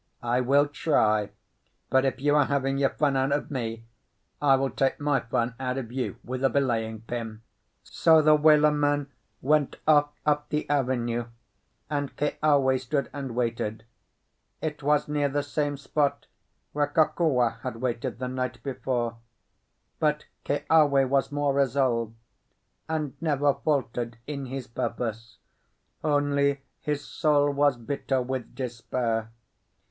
"I will try; but if you are having your fun out of me, I will take my fun out of you with a belaying pin." So the whaler man went off up the avenue; and Keawe stood and waited. It was near the same spot where Kokua had waited the night before; but Keawe was more resolved, and never faltered in his purpose; only his soul was bitter with despair.